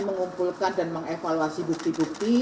mengumpulkan dan mengevaluasi bukti bukti